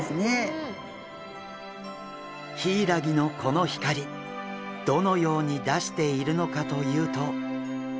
ヒイラギのこの光どのように出しているのかというと。